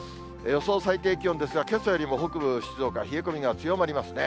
予想最低気温ですが、けさよりも北部、静岡は冷え込みが強まりますね。